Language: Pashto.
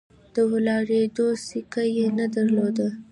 د ولاړېدو سېکه یې نه درلوده.